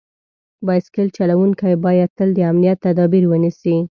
بایسکل چلونکي باید تل د امنیت تدابیر ونیسي.